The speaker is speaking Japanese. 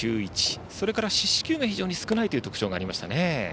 それから四死球が非常に少ないという特徴がありますね。